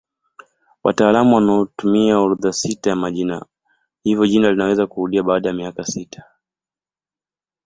Wataalamu wanatumia orodha sita ya majina hivyo jina linaweza kurudia baada ya miaka sita.